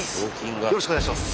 よろしくお願いします。